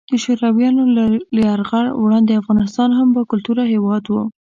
د شورویانو له یرغل وړاندې افغانستان هم باکلتوره هیواد وو.